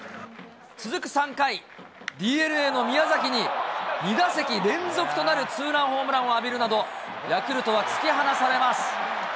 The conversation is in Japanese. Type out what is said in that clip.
続く３回、ＤｅＮＡの宮崎に２打席連続となるツーランホームランを浴びるなど、ヤクルトは突き放されます。